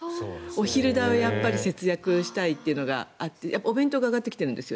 お昼代をやっぱり節約したいというのがあってお弁当が上がってきてるんです。